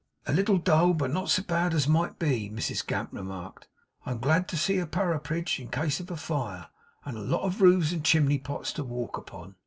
'A little dull, but not so bad as might be,' Mrs Gamp remarked. 'I'm glad to see a parapidge, in case of fire, and lots of roofs and chimley pots to walk upon.